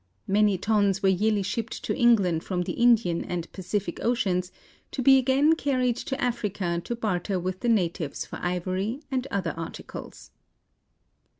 Many tons were yearly shipped to England from the Indian and Pacific Oceans, to be again carried to Africa to barter with the natives for ivory and other articles.